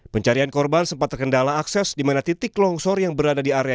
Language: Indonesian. pencarian korban sempat terkendala akses di mana titik longsor yang berada di area